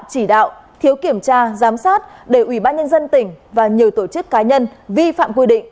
chỉ đạo thiếu kiểm tra giám sát để ủy ban nhân dân tỉnh và nhiều tổ chức cá nhân vi phạm quy định